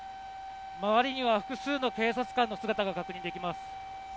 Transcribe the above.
周りには複数の警察官の姿が確認できます。